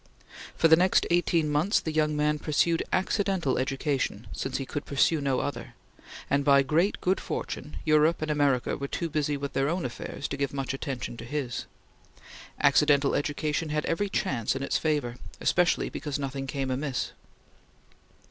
For the next eighteen months the young man pursued accidental education, since he could pursue no other; and by great good fortune, Europe and America were too busy with their own affairs to give much attention to his. Accidental education had every chance in its favor, especially because nothing came amiss.